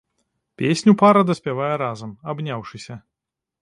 Песню пара даспявае разам, абняўшыся.